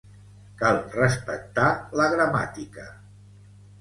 Cal respectar la gramàtica.